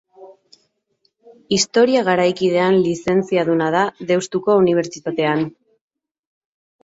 Historia Garaikidean lizentziaduna da Deustuko Unibertsitatean.